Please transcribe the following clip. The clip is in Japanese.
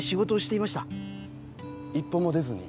一歩も出ずに？